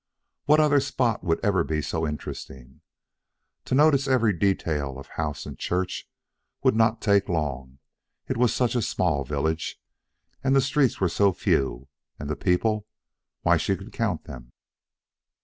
What other spot would ever be so interesting! To note its every detail of house and church would not take long it was such a little village, and the streets were so few; and the people why she could count them.